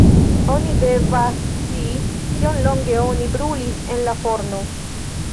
Oni devas scii, kiom longe oni brulis en la forno“.